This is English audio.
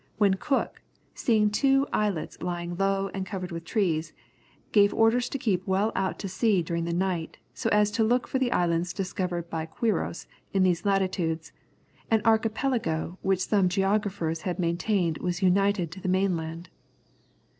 when Cook, seeing two islets lying low and covered with trees, gave orders to keep well out to sea during the night, so as to look for the islands discovered by Quiros in these latitudes, an archipelago which some geographers had maintained was united to the mainland.